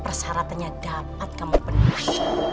persyaratannya dapat kamu penuhi